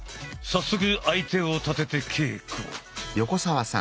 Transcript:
早速相手を立てて稽古。